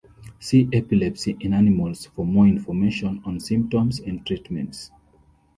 See Epilepsy in animals for more information on symptoms and treatments.